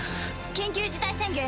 緊急事態宣言。